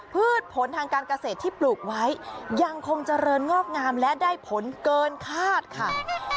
พืชผลทางการเกษตรที่ปลูกไว้ยังคงเจริญงอกงามและได้ผลเกินคาดค่ะ